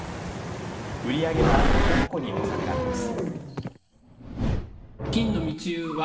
売り上げは国庫に納められます。